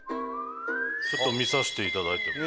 ちょっと見させていただいても。